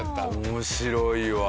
面白いわ。